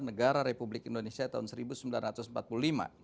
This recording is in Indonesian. negara republik indonesia tahun seribu